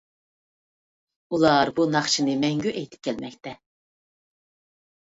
ئۇلار بۇ ناخشىنى مەڭگۈ ئېيتىپ كەلمەكتە.